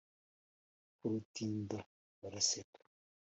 ku rutindo baraseka